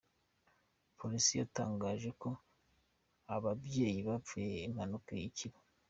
Polisi yatangaje ko ababyeyi bapfuye impanuka ikiba.